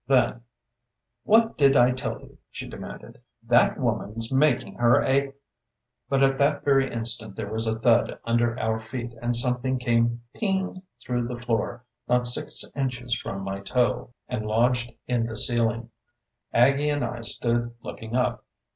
Then: "What did I tell you?" she demanded. "That woman's making her a " But at that very instant there was a thud under our feet and something came "ping" through the floor not six inches from my toe, and lodged in the ceiling. Aggie and I stood looking up.